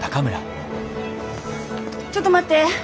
ちょっと待って。